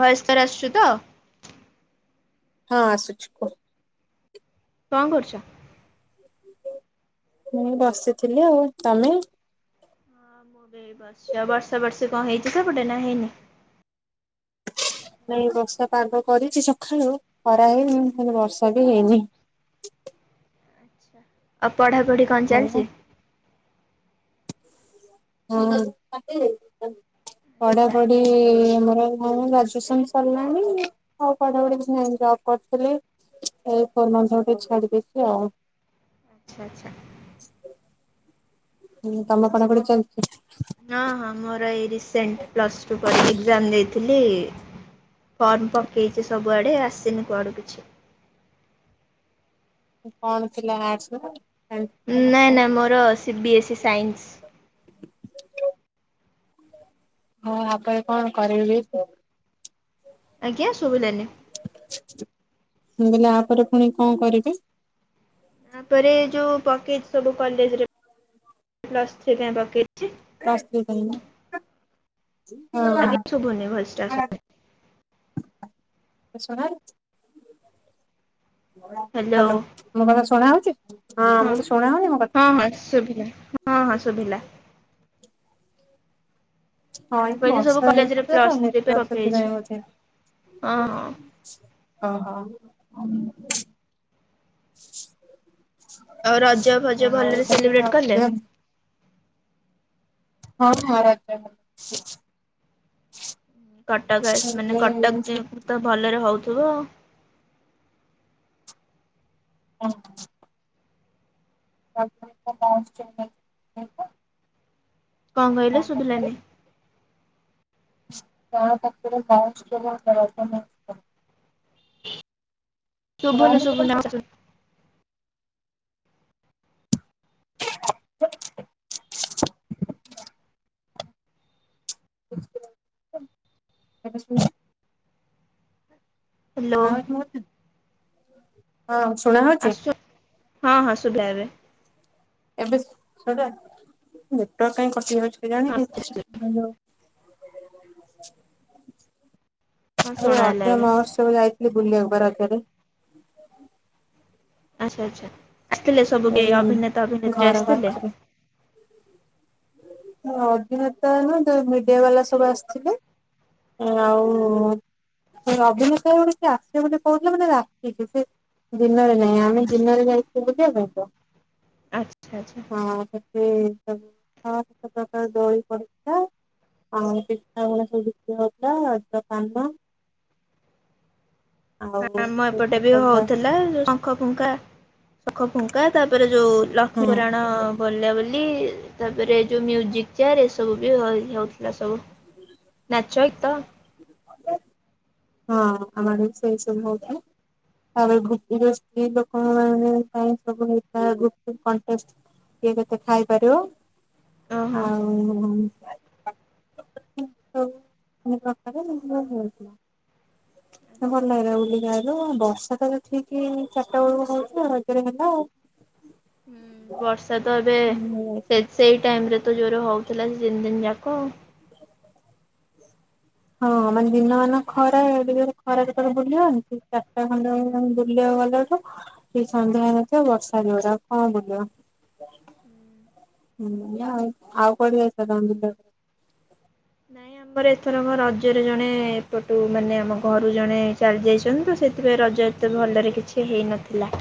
Voice clear ଆସୁଛି ତ? ହଁ ଆସୁଛି କୁହ। କଣ କରୁଚ? ମୁଁ ବସିଥିଲି ଆଉ ତମେ? [inaudible] ବର୍ଷାବର୍ଷି କଣ ହେଇଛି ସେପଟେ ନା ହେଇନି? ନାଇଁ ବର୍ଷା ପାଗ କରିଛି ସଖାଳୁ ଖରା ହେଇନି ହେଲେ ବର୍ଷା ବି ହେଇନି। ଆଚ୍ଛା, ଆଉ ପଢାପଢି କଣ ମୁଁ ଚାଲିଛି? ହଁ ପଢାପଢି ଆମର ହଁ ଗ୍ରାଜୁଏସନ ସରିଲାଣି ଆଉ ପଢ଼ାପଢି କିଛି ନାଇଁ ଜବ୍ କରିଥିଲି। ଏଇ [unintelligible] ଟିକେ ଛାଡିଦେଇଛି ଆଉ। ଆଚ୍ଛା-ଆଚ୍ଛା। ହୁଁ ତମ ପଢ଼ାପଢି ଚାଲିଚି? ହଁ-ହଁ ମୋର ଏଇ ରିସେଣ୍ଟ ପ୍ଲସ୍ ଟୁ ପର୍ ଏକ୍ଜାମ୍ ଦେଇଥିଲି। ଫର୍ମ ପକେଇଛି ସବୁଆଡ଼େ ଆସିନି କୁଆଡ଼ୁ କିଛି। କଣ ଥିଲା ଆର୍ଟସ? ସାଇନ୍ସ କମର୍ସ ନାଁ କଣ ନାଁ ମୋର C B S E science. ହଁ ଆ ପରେ କଣ କରିବେ କୁହ? ଆଜ୍ଞା ଶୁଭିଲାନି? ମୁଁ କହିଲି ଆ ପରେ ପୁଣି କଣ କରିବେ? ଆ ପରେ ଯୋଉ ପକେଇଛି ସବୁ କଲେଜରେ ପ୍ଲସ୍ ଥ୍ରୀ ପାଇଁ ପକେଇଛି। ପ୍ଲସ ଥ୍ରୀ ପାଇଁ ନା। ଆଜ୍ଞା ଶୁଭୁନି, ଭଏସ୍ ଟା ଆସୁନି। ଶୁଣା [inaudible] ହ୍ୟାଲୋ। ମୋ କଥା ଶୁଣାଯାଉଛି? ହଁ, ହଁ-ହଁ ଶୁଭିଲା, ହଁ-ହଁ ଶୁଭିଲା। ହଁ ମୁଁ ଏଠି କହିଲି ସବୁ ବର୍ଷା କଲେଜରେ ହେଇଥିଲା ତ ପ୍ଲସ୍ ଥ୍ରୀ ପାଇଁ ନେଟୱାର୍କ ପକେଇଛି ସେଥିପାଇଁ ହଉଛି ହଁ ହଁ। ଓହୋଃ। ଆଉ ରଜ ଫଜ ଭଲରେ ହଉ ସେଲିବ୍ରେଟ କଲେ? ତାହେଲେ [unintelligible] ହଁ ହଁ [unintelligible] କଟକ ଆସ୍ ମାନେ କଟକରେ ତ ଭଲରେ ହଉଥିବ। ହଁ। [inaudible] ପହଞ୍ଚ [unintelligible] କଣ କହିଲେ ଶୁଭିଲାନି। [unintelligible] ଶୁଭୁନି ଶୁଭୁନି [unintelligible] [inaudible] ଏବେ ଶୁଭିଲା? ହ୍ୟାଲୋ ଶୁଣାଯାଉଛି ମୋ କଥା ହଁ ଶୁଣାଯାଉଛି? ହଁ-ହଁ ଶୁଭିଲା ଏବେ। ଏବେ ଶୁଭିଲା, ନେଟୱାର୍କ କାହିଁକି କଟି ଯାଉଛି କେଜାଣି। ହଁ ହ୍ୟାଲୋ ହଁ ଶୁଣାଗଲା ଅଧେ ଏବେ [inaudible] କୁଆଡେ ଯାଇଥିଲେ ବୁଲିବାକୁ ପା ରଜରେ? ଆଚ୍ଛା-ଆଚ୍ଛା, ଆସିଥିଲେ ସବୁ କେ ଏଇ ଅଭିନେତା ଅଭିନେତ୍ରୀ ଘର ଆସିଥିଲେ? ପାଖରେ ନା ଅଭିନେତା ନୁହେଁ [inaudible] ମିଡିଆବାଲା ସବୁ ଆସିଥିଲେ ଆଉ ସେ ଅଭିନେତା ଗୋଟେ କିଏ ଆସିବେ ବୋଲି କହୁଥିଲେ ମାନେ ରାତିକି ସେ ଦିନରେ ନାଇଁ ଆମେ ଦିନରେ ଯାଇଥିଲୁ। [unintelligible] ଆଚ୍ଛା ଆଚ୍ଛା। [unintelligible] ଦୋଳି ପଡିଥିଲା। ଆଉ ପିଠା ଗୁରା ସବୁ ବିକ୍ରି ହଉଥିଲା ରଜ ପାନ। ଆଉ ଆମ ସବୁ ଏପଟେ ବି ଛୋଟ ପିଲା ସବୁ ହଉଥିଲା ଶଙ୍ଖ ଫୁଙ୍କା ଶଙ୍ଖ ଫୁଙ୍କା ତାପରେ ଯୋଉ ଲକ୍ଷ୍ମପୁରାଣ ହୁଁ ବୋଲା ବୋଲି। ତାପରେ ଯୋଉ ମ୍ୟୁଜିକ୍ ଚେୟାର, ଏ ସବୁ ବି ହଉଥିଲା ସବୁ। ନାଚ ଗୀତ ହଁ ଆମର ବି ସେଇ ସବୁ ହଉଥିଲା। ତାପରେ [unintelligible] ସ୍ତ୍ରୀ ଲୋକ ମାନଙ୍କ ସବୁ ହେଇଥିଲା ଗୁପ୍ ଚୁପ୍ କଣ୍ଟେଷ୍ଟ। କିଏ କେତେ ଖାଇପାରିବ, ଓହୋ। ଆଉ [unintelligible] ନାଇଁ ଆଚ୍ଛା ଭଲ ଲାଗିଲା ବୁଲିକି ଆଇଲୁ। ବର୍ଷା ତ ଠିକି ଚାରିଟା ବେଳକୁ ହଉଚି ରଜରେ ହେଲା ଆଉ। ହୁଁ। ବର୍ଷା ତ ଏବେ ସେଇ ସେଇ ଟାଇମ ରେ ଏତେ ଜୋରେ ହଉଥିଲା ସେ ତିନି ଦିନି ଯାକ। ହଁ। ମାନେ ଦିନମାନ ଖରା, ଏଡେ ଜୋରେ ଖରାରେ କୁଆଡେ ବୁଲିହଉନି। ଠିକ୍ ଚା [unintelligible] ଖଣ୍ଡ ତମେ ବୁଲିବାକୁ ଗଲାଠୁ ଠିକ୍ ସନ୍ଧ୍ୟା ହେଇନଥିବ ବର୍ଷା ଜୋରେ ଆଉ କଣ ବୁଲିବ। [unintelligible] ଆଉ କୁଆଡେ ଯାଇଥିଲ ତମେ ବୁଲିବାକୁ? ନାଇଁ ଆମ୍ ଆମର ଏଥରକ ରଜରେ ଜଣେ ଏପଟୁ ମାନେ ଆମ ଘରୁ ଜଣେ ଚାଲିଯାଇଛନ୍ତି ତ ସେଥିପାଇଁ ରଜ ଏତେ ଭଲରେ କିଛି ହେଇନଥିଲା।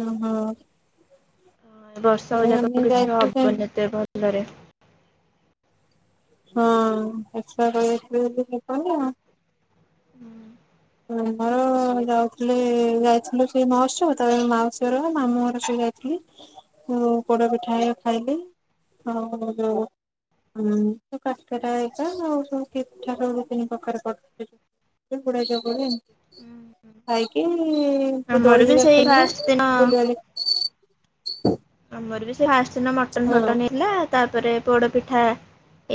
ହଁ ହଁ। ବର୍ଷକ ଯାକ ଆମେ କିଛି ଯାଇଥିଲୁ ସେଇ ହବନି ଏତେ ଭଲରେ। ହଁ। [unintelligible] ଉଁ। ଆମର ଯାଉଥିଲେ ଯାଇଥିଲୁ ସେଇ ମହୋତ୍ସବ। ତାପରେ ମାଉସୀଘର ମାମୁଁଘର ସେ ଯାଇ ଥିଲି। ଯୋଉ ପୋଡପିଠା ହେରିକା ଖାଇଲି। ଆଉ ଯୋଉ ଉଁ ଯୋଉ କାକେରା ହେରିକା ଆଉ ସବୁ ପିଠା। [unintelligible] [unintelligible] ଖାଇକି ଆମର ଦୋଳି ବି ହେରିକା ସେଇ ଖେଳିଲୁ। ଫାଷ୍ଟ ଦିନ ବୁଲିବାଲି ଆମର ବି ସେ ଫାଷ୍ଟ ଦିନ ମଟନ ହଁ ଫଟନ ହେଇଥିଲା, ତାପରେ ପୋଡପିଠା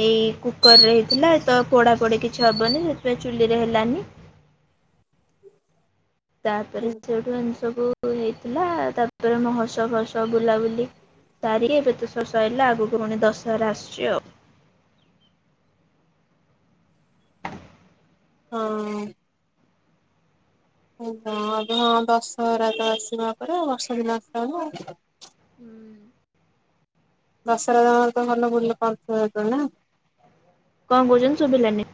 ଏଇ କୁକର୍ ରେ ହେଇଥିଲା। ତ ପୋଡା ପୋଡ଼ି କିଛି ହେବନି ସେଥିପାଇଁ ଚୁଲିରେ ହେଲାନି। ତାପରେ ହଁ। ସେଉଠୁ ଏମତି ସବୁ ହେଇଥିଲା ତାପରେ ମହୋତ୍ସବ ଫହୋତ୍ସବ ବୁଲାବୁଲି ତାରି ଏବେ ତ ସବୁ ସଇଲା। ଆଗକୁ ପୁଣି ଦଶହରା ଆସୁଛି ଆଉ। ହଁ। [unintelligible] ଦଶହରା ଆସିବା ୟା ପରେ ମାସେ ଦି ମାସେ ପରେ ଆଉ। ଦଶରା ତମର ତ ଭଲ। [unintelligible] କଣ କହୁଛନ୍ତି ଶୁଭିଲାନି।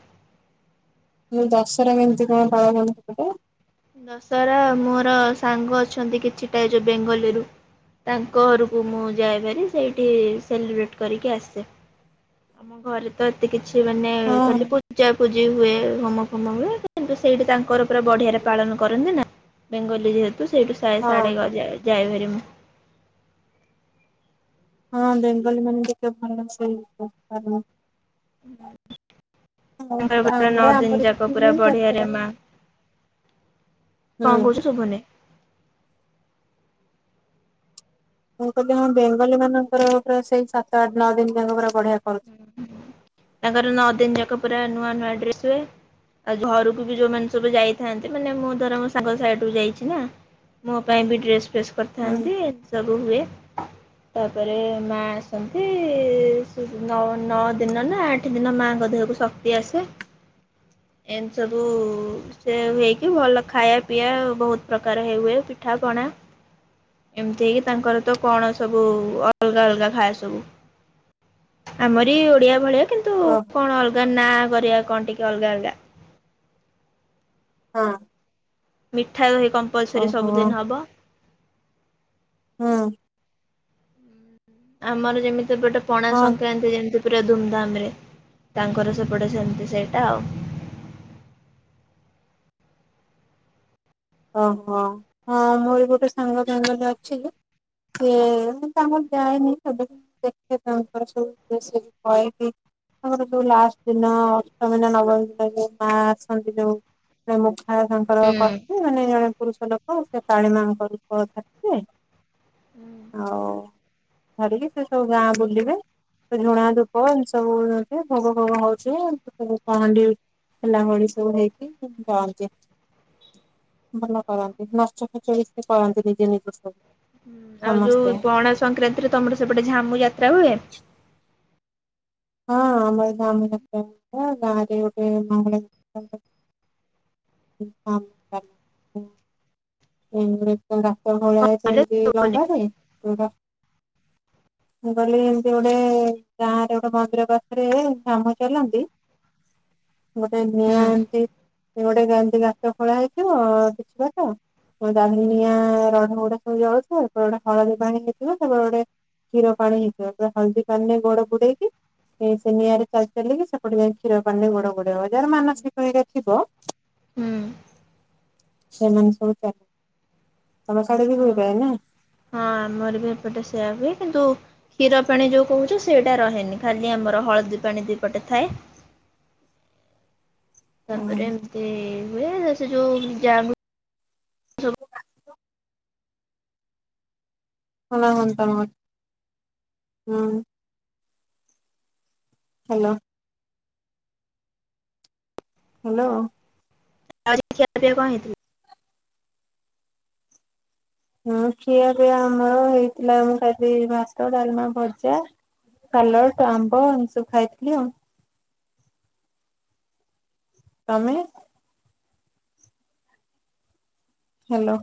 ମୁଁ କହିଲି ଦଶହରା କେମିତି କଣ ପାଳନ ହଉଚି ସେପଟେ? ଦଶହରା ମୋର ସାଙ୍ଗ ଅଛନ୍ତି କିଛିଟା ଯୋଉ ବେଙ୍ଗୋଲି ରୁ। ତାଙ୍କ ଘରକୁ ମୁଁ ଯାଏଭାରି ସେଇଠି ସେଲିବ୍ରେଟ୍ କରିକି ଆସେ। ଆମ ଘରେ ତ ଏତେ କିଛି ମାନେ ଖାଲି ହଁ ପୂଜାପୂଜି ହୁଏ। ହୋମ ହୋମ ହୁଏ। କିନ୍ତୁ ସେଇଠି ତାଙ୍କର ପୁରା ବଢିଆରେ ପାଳନ କରନ୍ତି ନା। ବେଙ୍ଗଲୀ ଯେହେତୁ। ତୁ ସେଇଠୁ ସାଏ ହଁ। ସାଡେଗ ଯା ଯାଏ ଭାରି ମୁଁ। ହଁ ବେଙ୍ଗଲୀ ମାନେ ଟିକେ ଭଲ ରୋଷେଇ କରିପାର [inaudible] ଆଉ ତାଙ୍କର ଘରର ନଅ ଗାଁରେ ଦିନ ଆମର ବି ଯାକ ପୁରା ହୁଏ ବଢ଼ିଆରେ ଦଶହରା ମା। ହୁଁ କଣ କହୁଚୁ ଶୁଭୁନି? ମୁଁ କହିଲି ହଁ ବେଙ୍ଗଲୀ ମାନଙ୍କର ପୁରା ସେଇ ସାତ ଆଠ ନଅ ଦିନ ଯାକ ପୁରା ବଢିଆ କରୁଛି। ତାଙ୍କର ନଅ ଦିନ ଯାକ ପୁରା ନୂଆ ନୂଆ ଡ୍ରେସ୍ ହୁଏ। ଆଉ ଘରକୁ ବି ଯୋଉମାନେ ସବୁ ଯାଇଥାନ୍ତି ମାନେ ମୋ ଧର ମୋ ସାଙ୍ଗ ସାଇଡ୍ ରୁ ଯାଇଛି ନା ମୋ ପାଇଁ ବି ଡ୍ରେସ୍ ଫେସ୍ ହୁଁ କରିଥାନ୍ତି ଏମତି ସବୁ ହୁଏ, ତାପରେ ମା ଆସନ୍ତି, ସୁ ନଅ ନଅ ଦିନ ନା ଆଠ ଦିନ ମାଙ୍କ ଦେହକୁ ଶକ୍ତି ଆସେ। ଏମତି ସବୁ ସେ ହୁଏକି ଭଲ ଖାଇବା ପିଇବା ବହୁତ ପ୍ରକାର ହେ ହୁଏ। ପିଠା ପଣା ଏମିତି ହେଇକି ତାଙ୍କର ତ କଣ ସବୁ ଅଲଗା ଅଲଗା ଖାଏ ସବୁ। ଆମରି ଓଡିଆ ଭଳିଆ କିନ୍ତୁ ହଁ। କଣ ଅଲଗା ନାଁ କରିଆ କଣ ଟିକେ ଅଲଗା ଅଲଗା। ହଁ। ମିଠା ଦହି କମ୍ପଲସରି ଓହୋ ସବୁଦିନ ହବ। ହୁଁ ଆମର ଯେମିତି ଏପଟେ ପଣା ହଁ ସଂକ୍ରାନ୍ତି। ସେ ଯେମିତି ପୁରା ଧୁମଧାମ ରେ ତାଙ୍କର ସେପଟେ ସେମିତି ସେଇଟା ଆଉ। ଓ ହଁ, ହଁ ମୋର ଗୋଟେ ସାଙ୍ଗ ବେଙ୍ଗଲରେ ଅଛି। ସିଏ ମୁଁ ତାଙ୍କର ଯାଏନି କେବେ କେ ଦେଖେ ତାଙ୍କର ସବୁ ମେସେଜ୍ କଏ କି ତାଙ୍କର ଯୋଉ ଲାଷ୍ଟ ଦିନ ଅଷ୍ଟମୀ ନା ନବମୀ ଦିନ ଯୋଉ ମା ଆସନ୍ତି ଯୋଉ ନା ମୁଖା ତାଙ୍କର ଆଉ କରିଥି ମାନେ ଜଣେ ପୁରୁଷ ଲୋକ ସେ କାଳୀ ମାଙ୍କ ରୁପ ଆସେ, ହୁଁ। ଆଉ ଧରିକି ସେ ସବୁ ଗାଁ ବୁଲିବେ। ଝୁଣା ଧୂପ ଏମିତି ସବୁ ଦିଅନ୍ତି, ଭୋଗ ଫୋଗ ହଉଛି, ସବୁ ପହଣ୍ଡି ଉ ହେଲା ଭଳି ସବୁ ହେଇକି ଯାଆନ୍ତି। ଭଲ କରନ୍ତି ନାଚ ଗୀତ ବି ସେ କରନ୍ତି ନିଜେ ନିଜେ ସବୁ। ଆଉ ଯୋଉ ସମସ୍ତେ ପଣା ସଂକ୍ରାନ୍ତିରେ ତୋମର ସେପଟେ ଝାମୁ ଯାତ୍ରା ହୁଏ? ହଁ ଆମର ଝାମ ଯାତ୍ରା ହୁଏ। ଗାଁରେ ଗୋଟେ [inaudible] ହଁ। ଏକରେ ତ ରାତ ଭଳିଆ ହୁଁ ସେମତି ହୁଁ ଲଗାଯାଏ ପୁରା। ମୁଁ କହିଲି ଏମତି ଗୋଟେ ଗାଁ ରେ ଗୋଟେ ମନ୍ଦିର ପାଖରେ କାମ ଚାଲନ୍ତି। ଗୋଟେ ନିଆଁ ଏମତି ଗୋଟେ ଏମିତି ଗାତ ଖୋଳା ହେଇଥିବ କିଛି ବାଟ। କଣ ଜାଲିିନିଆଁ ରଢ ଗୁଡା ସବୁ ଜଳୁ ଥାଏ, [unintelligible] ହଳଦୀ ପାଣି ହେଇଥିବ ସେପଟେ ଗୋଟେ କ୍ଷୀର ପାଣି ହେଇଥିବ, ପୁରା ହଳଦୀ ପାଣିରେ ଗୋଡ ବୁଡେଇକି ସେ ସେ ନିଆଁରେ ଚାଲି ଚାଲିକି ସେପଟେ ଯାଇ କ୍ଷୀର ପାଣିରେ ଗୋଡ ବୁଡେଇବ। ଯାହାର ମାନସିକ ଏକା ଥିବ ହଁ। ସେମାନେ ସବୁ ଚା, ତୋମ ସାଡ଼େ ବି ହୁଏ ପ୍ରାୟ ନା? ହଁ ଆମର ବି ଏପଟେ ସେଇଆ ହୁଏ, କିନ୍ତୁ କ୍ଷୀର ପାଣି ଯୋଉ କହୁଛ ସେଇଟା ରହେନି, ଖାଲି ଆମର ହଳଦୀ ପାଣି ଦି ପଟେ ଥାଏ। ତାପରେ ଏମିତି ହୁଏ ସେ ଯୋଉ ଜାଗ ଭଲ ହୁଅନ୍ତା ମ ହୁଁ। ହ୍ୟାଲୋ। ହ୍ୟାଲୋ। ଆଜି ଖିଆ ପିଆ କଣ ହେଇଥିଲା? ହଁ ଖିଆ ପିଆ ଆମର ହେଇଥିଲା ମୁଁ ଖାଇଲି ଭାତ ଡାଲମା ଭଜା। ସାଲଟ ଆମ୍ବ ଏମିତି ସବୁ ଖାଇଥିଲି ଆଉ। ତମେ? ହ୍ୟାଲୋ।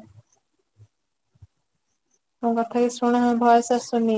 ତମ କଥା କି ଶୁଣା ଭଏସ ଆସୁନି।